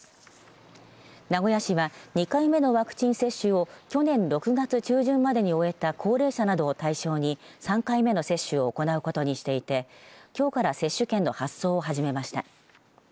名古屋市は２回目のワクチン接種を去年６月中旬までに終えた高齢者などを対象に３回目の接種を行うことにしていてきょうから接種券の発送を始めました。